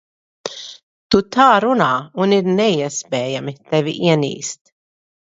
Tu tā runā, un ir neiespējami tevi ienīst.